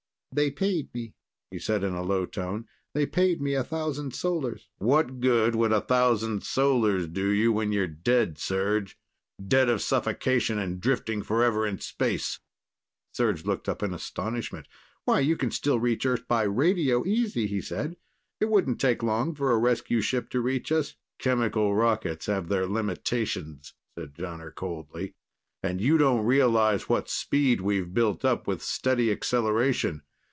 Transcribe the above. "They paid me," he said in a low tone. "They paid me a thousand solars." "What good would a thousand solars do you when you're dead, Serj ... dead of suffocation and drifting forever in space?" Serj looked up in astonishment. "Why, you can still reach Earth by radio, easy," he said. "It wouldn't take long for a rescue ship to reach us." "Chemical rockets have their limitations," said Jonner coldly. "And you don't realize what speed we've built up with steady acceleration.